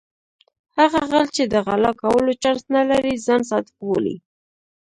هغه غل چې د غلا کولو چانس نه لري ځان صادق بولي.